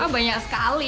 ah banyak sekali